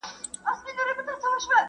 فرانسوي او انګرېزي ژبې تازه او علمي دي.